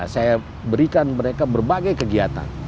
saya berikan mereka berbagai kegiatan